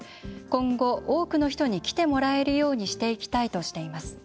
今後、多くの人に来てもらえるようにしていきたいとしています。